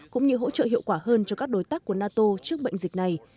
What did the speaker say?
cũng như hỗ trợ hiệu quả hơn cho các đối tác của nato trước bệnh dịch này